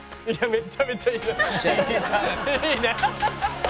めちゃめちゃいい！いいね！」